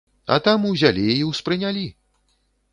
А там узялі і ўспрынялі.